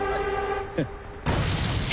フッ。